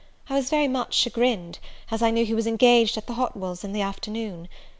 I was very much chagrined, as I knew he was engaged at the Hotwells in the afternoon.